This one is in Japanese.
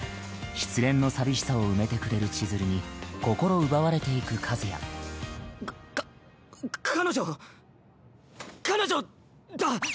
失恋の寂しさを埋めてくれる千鶴に心奪われていく和也かか彼女彼女だ！